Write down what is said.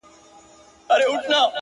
د زلفو بڼ كي د دنيا خاوند دی’